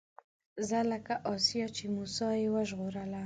زه لکه آسيې چې موسی يې وژغوره